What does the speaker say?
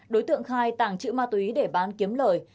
đối tượng khai tàng trữ ma túy để bán kiếm lời